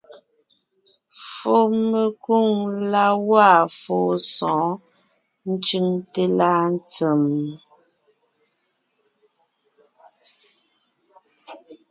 Fùɔmekwoŋ la gwaa fóo sɔ̌ɔn ncʉŋte láa ntsèm?